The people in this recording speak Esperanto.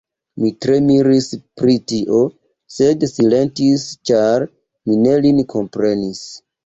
Mi tre miris pri tio, sed silentis, ĉar mi ne lin komprenis.